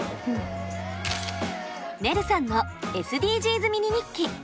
ねるさんのＳＤＧｓミニ日記。